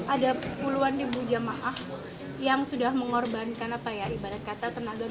ada puluhan ibu jamaah yang sudah mengorbankan ibadat kata tenaga